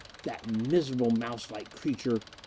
"That miserable mouselike creature!